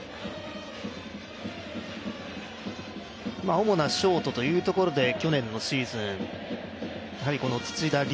主なショートというところで去年のシーズン、土田龍